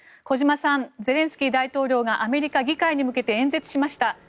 小島さん、ゼレンスキー大統領がアメリカ議会に向けて演説しました。